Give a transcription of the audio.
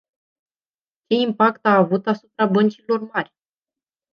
Ce impact a avut asupra băncilor mari?